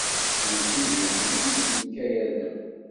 Inisi d wuccen, ur ttemkeyyaden.